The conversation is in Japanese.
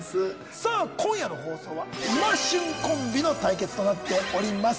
さあ今夜の放送はいま旬コンビの対決となっております。